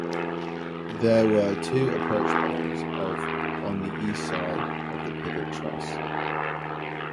There were two approach spans of on the east side of the pivot truss.